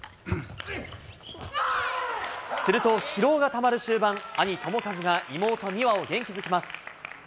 すると、疲労がたまる終盤、兄、智和が、妹、美和を元気づけます。